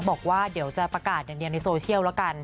บอกว่าเดี๋ยวจะประกาศอย่างเดียวในโซเชียลแล้วกัน